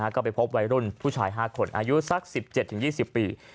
ก็ไปพบวัยรุ่นผู้ชาย๕คนอายุสัก๑๗๒๐ปี